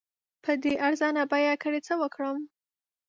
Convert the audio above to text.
په دې ارزان بیه ګړي څه وکړم؟